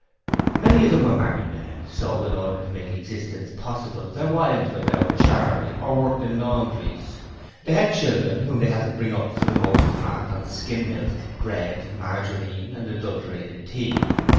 Many of them were married men, so, in order to make existence possible, their wives went out charing or worked in laundries. They had children whom they had to bring up for the most part on 'skim' milk, bread, margarine, and adulterated tea.